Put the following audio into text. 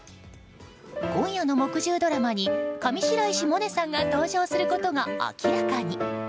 今夜の木１０ドラマに上白石萌音さんが登場することが明らかに。